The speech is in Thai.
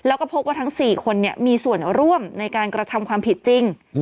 แล้วก็พบว่าทั้ง๔คนมีส่วนร่วมในการกระทำความผิดจริง